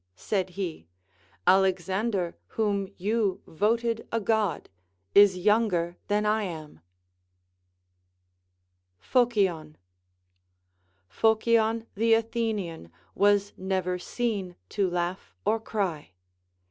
said he : Alexander, AA^hom you voted a God, is younger than I am. Phociox. Phocion the Athenian Avas ne\'er seen to laugh or cry.